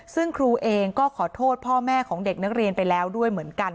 ซึ่งครูเองก็ขอโทษพ่อแม่ของเด็กนักเรียนไปแล้วด้วยเหมือนกัน